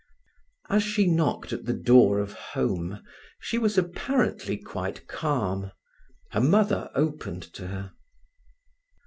As she knocked at the door of home she was apparently quite calm. Her mother opened to her.